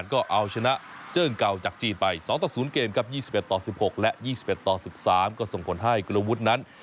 รายการก็เอาชนะเจิ่งเก่าจากจีนไป๒๐เกมครับ๒๑๑๖และ๒๑๑๓ก็ส่งผลให้กลุ่มวุฒินั้น